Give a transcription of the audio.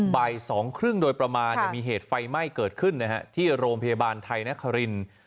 บ่าย๒๓๐โดยประมาณมีเหตุไฟไหม้เกิดขึ้นที่โรงพยาบาลไทยนครินทร์